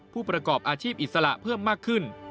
ผู้ประกอบอาชีพอิสระเพิ่มมากขึ้น